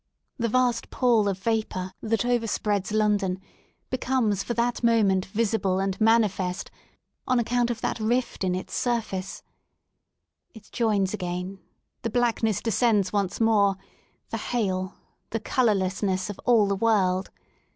The vast pall of vapour that overspreads London, becomes for that mo ment visible and manifest on account of that rift in its surface It joins again, the blackness descends once more, the hail, the colourlessness of all the world.